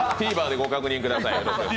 ＴＶｅｒでご確認ください。